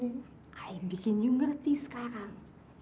i'm making you ngerti sekarang